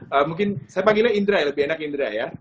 hmm mungkin saya panggilnya indra ya lebih enak indra ya